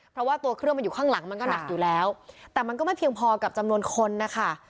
เพราะว่าตัวเครื่องมันอยู่ข้างหลังมันก็หนักอยู่แล้วแต่มันก็ไม่เพียงพอกับจำนวนคนนะคะ